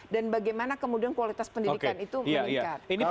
dan bagaimana kemudian kualitas pendidikan itu meningkat